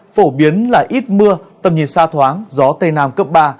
phổ biến là ít mưa tầm nhìn xa thoáng gió tây nam cấp ba